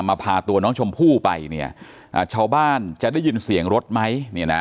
มาพาตัวน้องชมพู่ไปเนี้ยอ่าชาวบ้านจะได้ยินเสียงรถไหมเนี้ยนะ